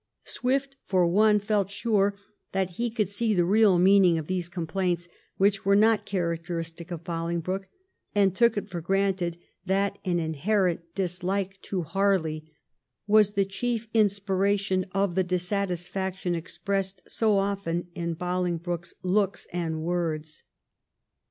Swift, for one, felt sure that he could see the real meaning of these complaints, which were not characteristic of Bolingbroke, and took it for granted that an inherent dislike to Harley was the chief inspiration of the dissatisfaction expressed so often in Bolingbroke's looks and words.